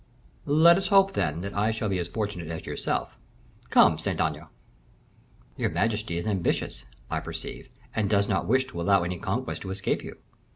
"Let us hope, then, that I shall be as fortunate as yourself. Come, Saint Aignan." "Your majesty is ambitions, I perceive, and does not wish to allow any conquest to escape you.